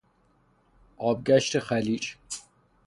آبگشت خلیج